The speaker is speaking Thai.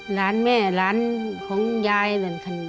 หลานแม่หลานของยายนะ